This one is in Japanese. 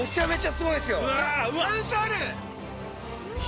すごい。